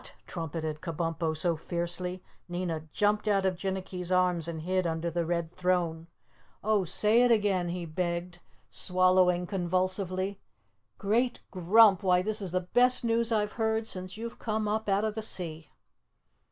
trumpeted Kabumpo so fiercely Nina jumped out of Jinnicky's arms and hid under the red throne. "Oh, say it again!" he begged, swallowing convulsively. "Great Grump, why this is the best news I've heard since you've come up out of the sea."